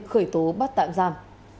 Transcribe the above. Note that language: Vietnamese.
khởi tố bắt tạm giam